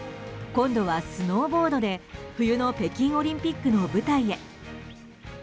今度はスノーボードで冬の北京オリンピックの舞台へ。